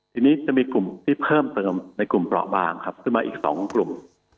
ทีนี้จะมีกลุ่มที่เพิ่มเติมในกลุ่มเปราะบางครับขึ้นมาอีก๒กลุ่ม